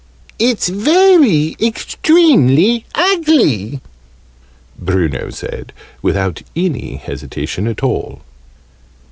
"It's very extremely ugly!" Bruno said, without any hesitation at all.